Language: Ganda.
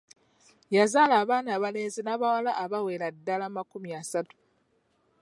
Yazaala abaana abalenzi n'abawala abawerera ddala makumi asatu.